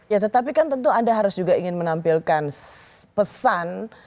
ya tetapi kan tentu anda harus juga ingin menampilkan pesan